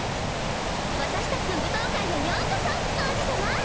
私たちの舞踏会へようこそ王子様！